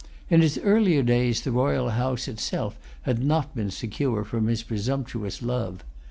In his earlier days the royal house itself had not been secure from his presumptuous love.